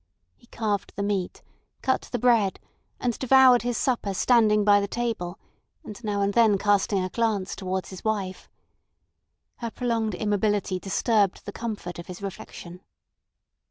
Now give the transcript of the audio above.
He carved the meat, cut the bread, and devoured his supper standing by the table, and now and then casting a glance towards his wife. Her prolonged immobility disturbed the comfort of his refection.